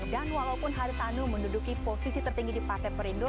dan walaupun haritano menduduki posisi tertinggi di partai perindo